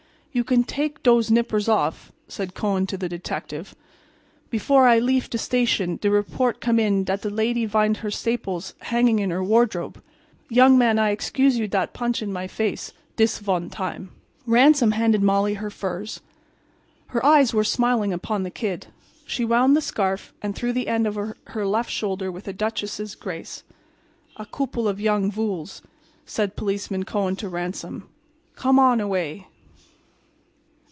"You can take dose nippers off," said Kohen to the detective. "Before I leaf de station de report come in dat de lady vind her saples—hanging in her wardrobe. Young man, I excuse you dat punch in my vace—dis von time." Ransom handed Molly her furs. Her eyes were smiling upon the Kid. She wound the scarf and threw the end over her left shoulder with a duchess' grace. "A gouple of young vools," said Policeman Kohen to Ransom; "come on away."